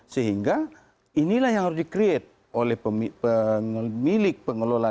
sehingga inilah yang harus di create oleh pengelola destinasi